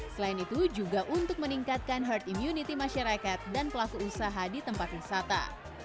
selain itu juga untuk meningkatkan herd immunity masyarakat dan pelaku usaha di tempat wisata